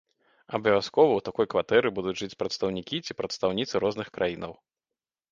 Абавязкова ў такой кватэры будуць жыць прадстаўнікі ці прадстаўніцы розных краінаў.